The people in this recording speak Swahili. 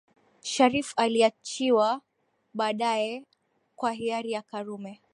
Sharriff aliachiwa baadae kwa hiari ya Karume